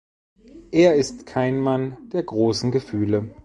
Er ist kein Mann der großen Gefühle.